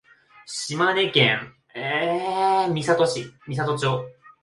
島根県美郷町